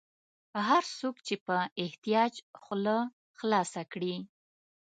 هر څوک چې په احتیاج خوله خلاصه کړي.